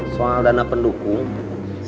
soal dana pendukung